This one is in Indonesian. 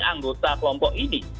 anggota kelompok ini